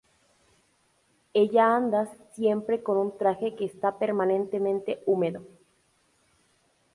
Ella anda siempre con un traje que está permanentemente húmedo.